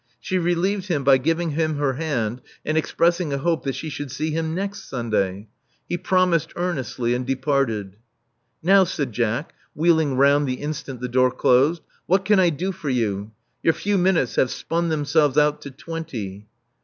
She relieved him by giving him her hand, and expressing a hope that she should see hiin next Sunday. He promised earnestly, and departed. Now,'* said Jack, wheeling round the instant the door closed. What can I do for you? Your few minutes have spun themselves out to twenty."